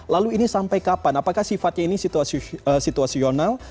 lalu ini sampai kapan apakah sifatnya ini situasional